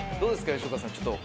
吉岡さんちょっと。